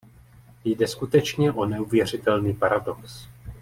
Jde skutečně o neuvěřitelný paradox.